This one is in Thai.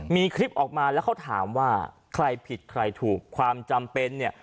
มีคลิปออกมาแล้วเขาถามว่าใครผิดใครถูกความจำเป็นเนี่ย